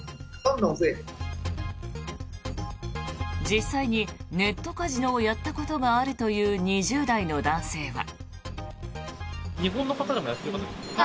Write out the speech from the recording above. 実際にネットカジノをやったことがあるという２０代の男性は。